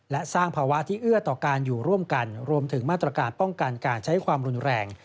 และสร้างภาวะที่เอื้อต่อการอยู่ร่วมกันรวมถึงมาตรการป้องกันการใช้ความรุนแรง